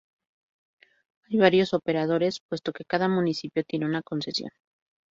Hay varios operadores puesto que cada municipio tiene una concesión.